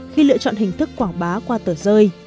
khi lựa chọn hình thức quảng bá qua tờ rơi